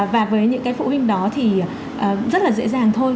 và với những cái phụ huynh đó thì rất là dễ dàng thôi